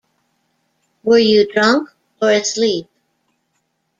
Were you drunk or asleep?